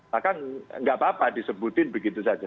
bahkan tidak apa apa disebutkan begitu saja